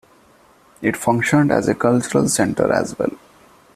It functioned as a cultural centre as well.